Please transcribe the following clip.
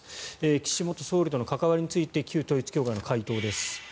岸元総理との関わりについて旧統一教会の回答です。